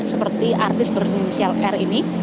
seperti artis berinisial r ini